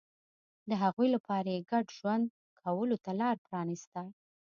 د هغوی لپاره یې ګډ ژوند کولو ته لار پرانېسته.